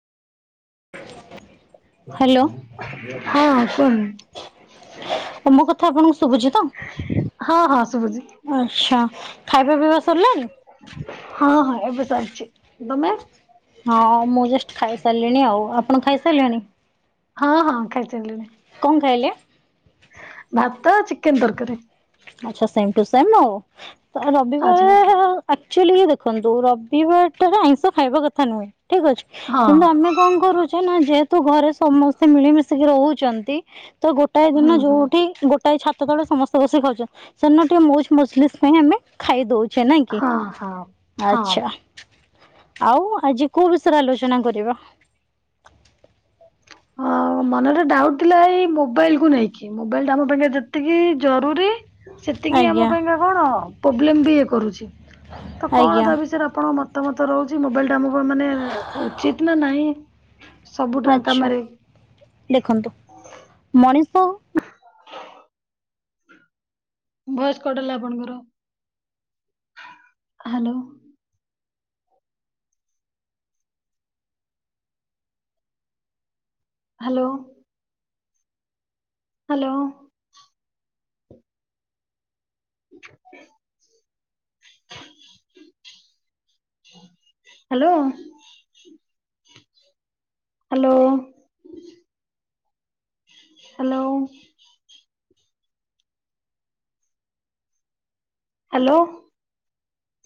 Hello. ହଁ କୁହ ମୋ କଥା ଆପଣଙ୍କୁ ଶୁଭୁଛି ତ? ହଁ ହଁ ଶୁଭୁଛି ଆଚ୍ଛା ଖାଇବା ପିଇବା ସରିଲାଣିି ହଁ ହଁ ଏବେ ସରିଛି ତମେ ହଁ ମୁଁ ଜଷ୍ଟ ଖାଇସାରିଲିଣି ଆଉ ଆପଣ ଖାଇସାରିଲେଣି ହଁ ହଁ ଖାଇ ସାଇଲିଣି। କଣ ଖାଇଲେ? ଭାତ, ଚିକେନ୍ ତରକାରୀ। ଆଚ୍ଛା, ସେମ୍ ଟୁ ସେମ୍ ଆଉ, ଆଚ୍ଛା ରବିବାର ଆଚ୍ଛା ଏ ଆକ୍ଚୁଲି ଦେଖନ୍ତୁ, ରବିବାର ଟାରେ ଆଇଁଷ ଖାଇବା କଥା ନୁହେଁ ଠିକ୍ ଅଛି? ହଁ କିନ୍ତୁ ଆମେ କଣ କରୁଛେ ନା, ଯେହେତୁ ଘରେ ସମସ୍ତେ ମିଳିମିଶିକି ରହୁଛନ୍ତି ତ ଗୋଟାଏ ଦିନ ହୁଁ ହୁଁ ଯୋଉଠି ଗୋ ଟାଏ ଛାତ ତଳେ ସମସ୍ତେ ବସି ଖାଉଛନ୍ତି, ସେ ଦିନ ଟିକେ ମଜ୍ ମଜଲିସ୍ ପାଇଁ ଆମେ ଖାଇ ଦଉଛେ ନାଇଁ କି? ହଁ ହଁ ହଁ ଆଛା। ଆଉ ଆଜି କୋଉ ବିଷୟରେ ଆଲୋଚନା କରିବା? ହଁ ମନରେ ଡାଉଟ୍ ଥିଲା ଏଇ ମୋବାଇଲକୁୁ ନେଇକି? କି ମୋବାଇଲ ଟା ଆମ ପାଖେ ଯେତିକି ଜରୁରୀ ସେତିକି ଆମ ଆଜ୍ଞା ପାଇଁକା କଣ ପ୍ରୋବ୍ଲେମ ବି ଇଏ କରୁଛି। ତ କଣ, ଆଜ୍ଞା ତା ବିଷୟରେ ଆପଣ ମ? ମତାମତ ରହୁଛି ମୋବାଇଲ ଟା ଆମକୁ ମାନେ ଉଚିତ୍ ନା ନାହିଁ, ସବୁଟା ଆଚ୍ଛା କାମରେ ଦେଖନ୍ତୁ ମଣିଷ [unintelligible] ଭଏସ୍ କଟ ହେଲା ଆପଣଙ୍କର, hello hello hello [unintelligible] hello hello hello hello